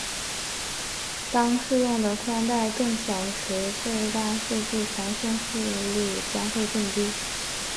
当适用的带宽更小时最大数据传输速率将会更低。